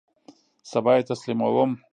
سبا یی تسلیموم